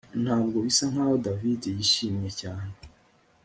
Ntabwo bisa nkaho David yishimye cyane